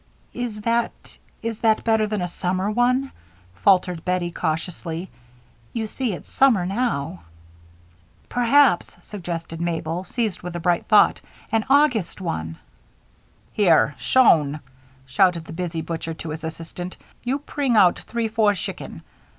"Is that is that better than a summer one?" faltered Bettie, cautiously. "You see it's summer now." "Perhaps," suggested Mabel, seized with a bright thought, "an August one " "Here, Schon," shouted the busy butcher to his assistant, "you pring oudt three four schicken.